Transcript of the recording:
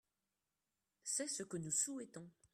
C’est ce que nous souhaitons.